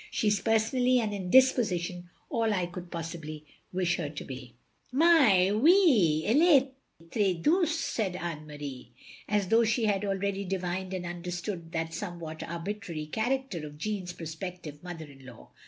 She is personally, and in disposition, all I could possibly wish her to be. " 364 THE LONELY LADY " Mais otri, elle est tr^ douce," said Anne Marie, as though she had akeady divined and understood the somewhat arbitrary character of Jeanne's prospective mother in law.